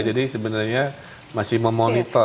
jadi sebenarnya masih memonitor